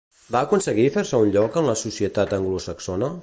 Va aconseguir fer-se un lloc en la societat anglosaxona?